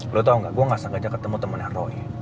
lo tau gak gue gak sengaja ketemu temannya roy